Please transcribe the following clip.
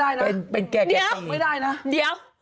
เดี๋ยว